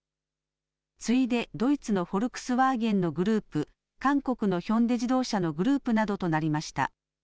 次いでドイツのフォルクスワーゲンのグループ、韓国のヒョンデ自動車のグループなどとなりました。